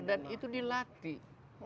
dan itu dilatih